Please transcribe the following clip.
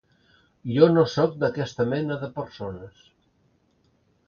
Jo no sóc d'aquesta mena de persones.